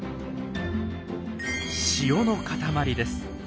塩の塊です。